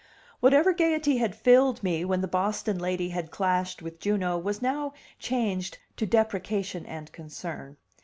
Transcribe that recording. Whatever gayety had filled me when the Boston lady had clashed with Juno was now changed to deprecation and concern.